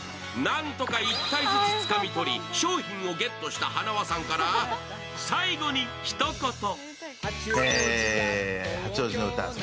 なんとか１体ずつつかみ取り、商品をゲットしたはなわさんから、最後にひと言。